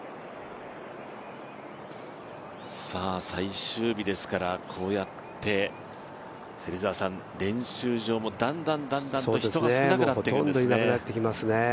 最終日ですから、こうやって練習場もだんだんだんだんと人が少なくなってきますね。